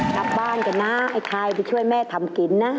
กลับบ้านกันนะไอ้ชายไปช่วยแม่ทำกินนะ